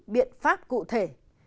biện pháp cụ thể